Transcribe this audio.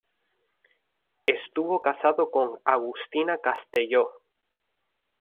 Estuvo casado con Agustina Castelló.